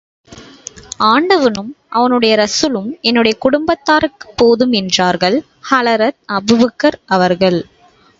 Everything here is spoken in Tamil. ஆண்டவனும், அவனுடைய ரஸூலும் என்னுடைய குடும்பத்தாருக்குப் போதும் என்றார்கள் ஹலரத் அபூபக்கர் அவர்கள்.